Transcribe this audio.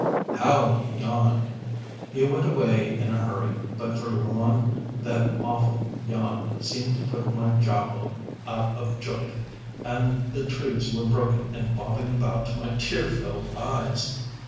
How he yawned! He went away in a hurry, but for long that awful yawn seemed to put my jaw bone out of joint, and the trees were broken and bobbing about to my tear filled eyes.